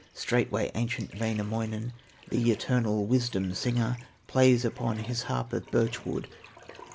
Straightway ancient Wainamoinen, The eternal wisdom singer, Plays upon his harp of birch wood.